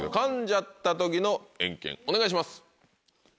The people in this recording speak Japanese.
お願いします。